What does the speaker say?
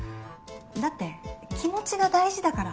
だって気持ちが大事だから。